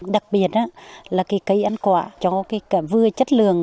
đặc biệt là cái cây ăn quả cho cái vừa chất lượng